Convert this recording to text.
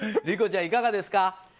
理子ちゃん、いかがですか。